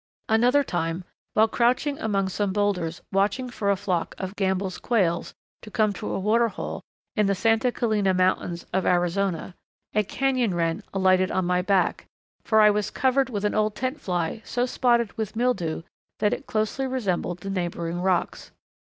Another time, while crouched among some boulders watching for a flock of Gambel's Quails to come to a water hole in the Santa Catalina Mountains of Arizona, a Canyon Wren alighted on my back, for I was covered with an old tent fly so spotted with mildew that it closely resembled the neighbouring rocks.